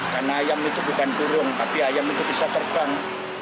karena ayam itu bukan burung tapi ayam itu bisa terbang